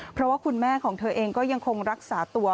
เพราะว่าคุณแม่ของเธอเองก็ยังคงรักษาตัว